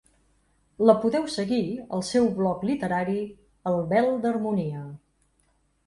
La podeu seguir al seu bloc literari El vel d’harmonia.